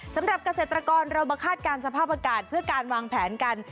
สำหรับเกษตรกรเรามาคาดการณ์สภาพอากาศเพื่อการวางแผนกัน